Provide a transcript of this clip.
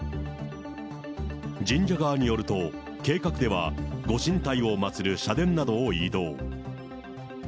神社側によると、計画ではご神体を祭る社殿などを移動。